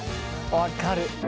分かる！